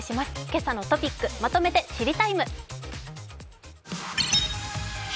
「けさのトピックまとめて知りＴＩＭＥ，」。